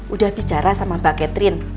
udah bicara sama mbak catherine